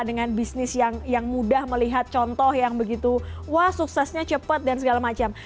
dengan bisnis yang mudah melihat contoh yang begitu wah suksesnya cepat dan segala macam